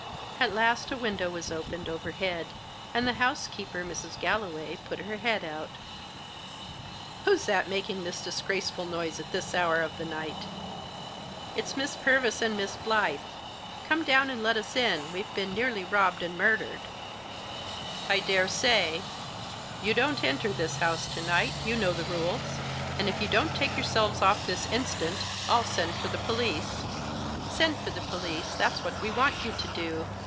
At last a window was opened over head, and the housekeeper, Mrs. Galloway, put her head out " Who's that making this disgraceful noise at this hour of the night ?" "Ifs Miss Purvis and Miss Blyth. Come down Q* Digitized by 20 THE JOSS. and let us in; we've been nearly robbed and mur dered." " I daresay ! You don't enter this house to night ; you know the rules. And if you don't take yourselves off this instant I'll send for the police." " Send for the police, that's what we want you to do.